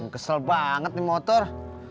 kesel banget nih motor